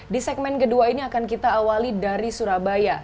di segmen kedua ini akan kita awali dari surabaya